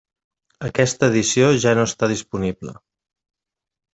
Aquesta edició ja no està disponible.